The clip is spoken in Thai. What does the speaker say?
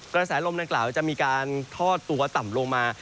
กระแสลมดังกล่าวจะมีการทอดตัวต่ำลงมา